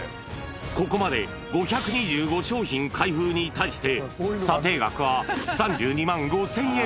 ここまで５２５商品開封に対して、査定額は３２万５０００円。